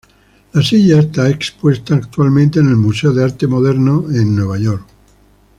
La silla está expuesta actualmente en el Museo de Arte Moderno en Nueva York.